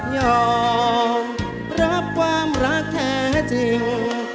ยอมรับความรักแท้จริง